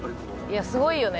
いやすごいよね。